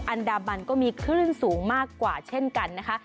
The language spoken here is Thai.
อันดามันก็มีคลื่นสูงมากกว่าเช่นกันนะคะ